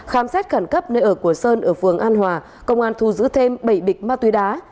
khám xét khẩn cấp nơi ở của sơn ở phường an hòa công an thu giữ thêm bảy bịch ma túy đá